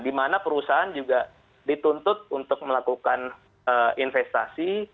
dimana perusahaan juga dituntut untuk melakukan investasi